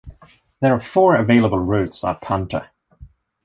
There are four available routes up Hunter.